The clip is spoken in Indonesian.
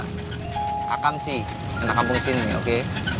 akan sih anak kampung sini oke